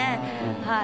はい。